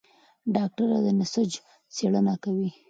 ډاکټره د نسج څېړنه کوي.